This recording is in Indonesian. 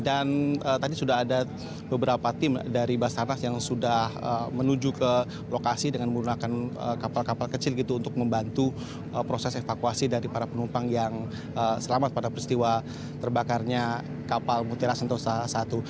dan tadi sudah ada beberapa tim dari basarnas yang sudah menuju ke lokasi dengan menggunakan kapal kapal kecil gitu untuk membantu proses evakuasi dari para penumpang yang selamat pada peristiwa terbakarnya kapal mutiara sentosa i